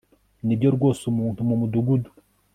nibyo rwose, umuntu mumudugudu